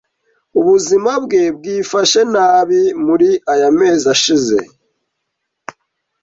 Ubuzima bwe bwifashe nabi muri aya mezi ashize.